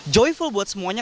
joyful buat semuanya